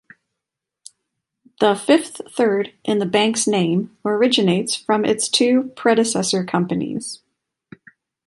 The "Fifth Third" in the bank's name originates from its two predecessor companies.